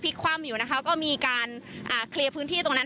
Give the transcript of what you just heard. รถพลี้คว่ามอยู่นะคะก็มีการเคลียร์พื้นที่ตรงนั้น